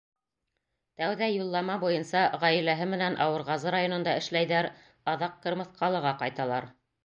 Тәүҙә юллама буйынса ғаиләһе менән Ауырғазы районында эшләйҙәр, аҙаҡ Ҡырмыҫҡалыға ҡайталар.